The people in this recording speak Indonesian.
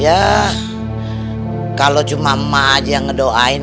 ya kalau cuma emak aja yang ngedoain